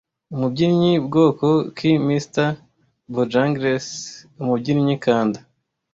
Umubyinnyi bwoko ki Mister Bojangles Umubyinnyi Kanda